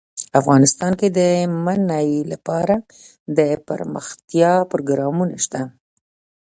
افغانستان کې د منی لپاره دپرمختیا پروګرامونه شته.